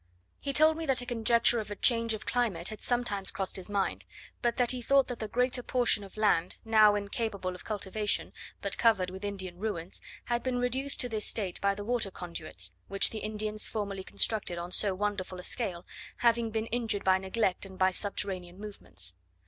He told me that a conjecture of a change of climate had sometimes crossed his mind; but that he thought that the greater portion of land, now incapable of cultivation, but covered with Indian ruins, had been reduced to this state by the water conduits, which the Indians formerly constructed on so wonderful a scale, having been injured by neglect and by subterranean movements.